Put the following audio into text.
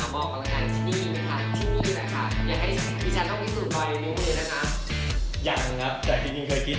บ้ากรามเลยนะ